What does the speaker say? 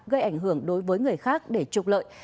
gây ảnh hưởng đối với người khác để trục lợi